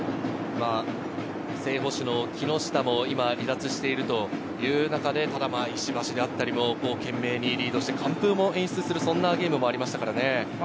正捕手の木下も離脱しているという中で、石橋であったり、懸命にリードして完封も演出するゲームもありました。